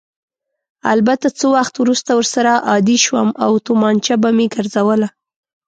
البته څه وخت وروسته ورسره عادي شوم او تومانچه به مې ګرځوله.